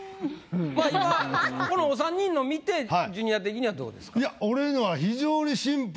今もうこのお３人のを見てジュニア的にはどうですか？